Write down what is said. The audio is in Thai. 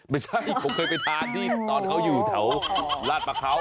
ไม่ใช่ผมเคยไปทานที่ตอนเขาอยู่แถวลาดประเขา